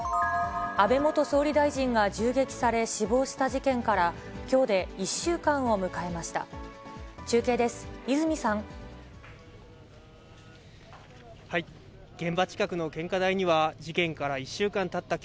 安倍元総理大臣が銃撃され、死亡した事件から、きょうで１週間を迎えました。